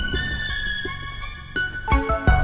tidak ada yang bisa dikira